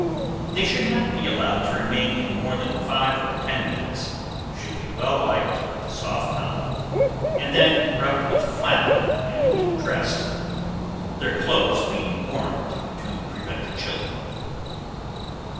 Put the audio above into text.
They should not be allowed to remain in more than five or ten minutes; should be well wiped with a soft towel, and then rubbed with flannel and dressed; their clothes being warmed to prevent a chill.